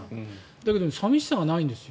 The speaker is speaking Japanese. だけど寂しさがないんですよ。